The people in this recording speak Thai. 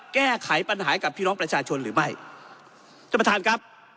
แก้ไขปัญหากับพี่น้องประชาชนหรือไม่ท่านประธานครับ